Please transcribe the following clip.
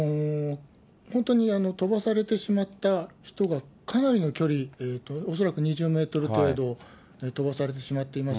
本当に飛ばされてしまった人がかなりの距離、恐らく２０メートル程度飛ばされてしまっています。